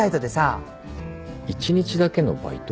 １日だけのバイト？